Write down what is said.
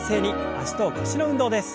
脚と腰の運動です。